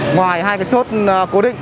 ngoài hai cái chốt cố định